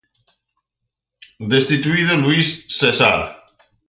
Destituído Luís Cesar.